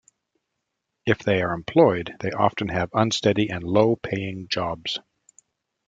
If they are employed, they often have unsteady and low-paying jobs.